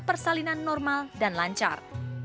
persalinan normal dan lancar